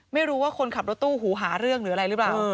ไม่รู้ว่าคนขับรถตู้หูหาเรื่องหรืออะไรหรือเปล่า